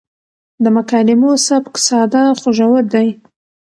د مکالمو سبک ساده خو ژور دی.